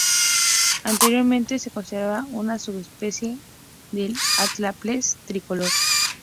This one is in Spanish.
Anteriormente se consideraba una subespecie del "Atlapetes tricolor".